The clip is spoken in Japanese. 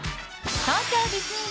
東京ディズニー